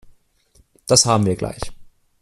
Das haben wir gleich.